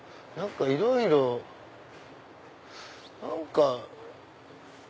何かいろいろ。何か。